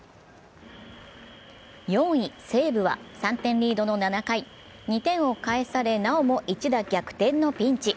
４位・西武は３点リードの７回２点を返され、なおも一打逆転のピンチ。